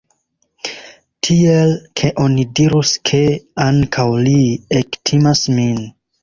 Tiel, ke oni dirus ke, ankaŭ li, ektimas min.